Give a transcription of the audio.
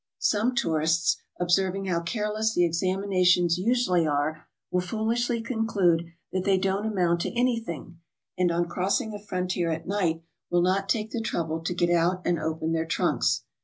Some tourists, observing how careless the examinations usually are, will foolishly conclude they don't amount to anything and on crossing a frontier at night will not take the trouble to get out and open their trunks.